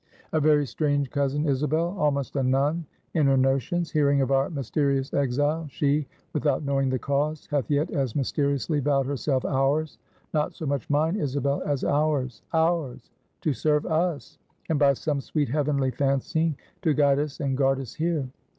"A very strange cousin, Isabel; almost a nun in her notions. Hearing of our mysterious exile, she, without knowing the cause, hath yet as mysteriously vowed herself ours not so much mine, Isabel, as ours, ours to serve us; and by some sweet heavenly fancying, to guide us and guard us here."